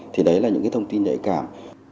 thì đấy là những cái thông tin nhạy cảm